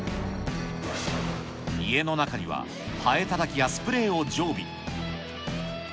家の中には、ハエたたきやスプレーを常備。